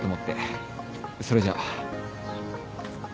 それじゃ。